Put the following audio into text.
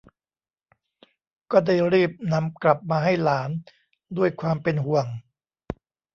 ก็ได้รีบนำกลับมาให้หลานด้วยความเป็นห่วง